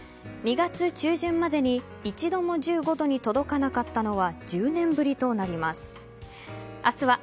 ２月中旬までに一度も１５度に届かなかったのは１０年ぶりとなります。